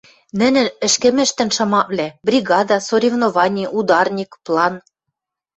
Нӹнӹн ӹшкӹмӹштӹн шамаквлӓ: бригада, соревновани, ударник, план.